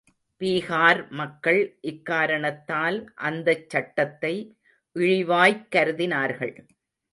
பீகார் மக்கள் இக்காரணத்தால் அந்தச் சட்டத்தை இழிவாய்க் கருதினார்கள்.